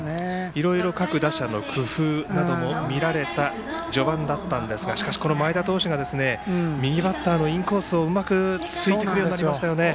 いろんな各打者の工夫も見られた、序盤だったんですがこの前田投手が右バッターのインコースをうまくついてくるようになりましたよね。